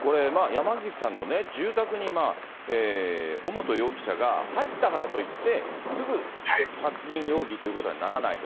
これ、やまぎしさんの住宅に、尾本容疑者が入ったからといって、すぐ殺人容疑ということにはならないと。